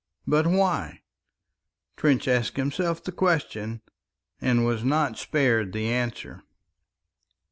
But why? Trench asked himself the question and was not spared the answer.